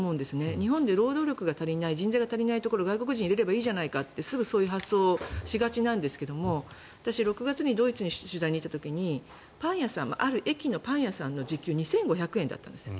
日本で労働力が足りない人材が足りないところは外国人を入れればいいじゃないかというすぐそういう発想をしがちなんですが私、６月にドイツに取材に行った時に駅のパン屋さんの時給２５００円だったんです。